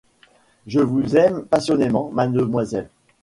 Je vous aime passionnément, mademoiselle.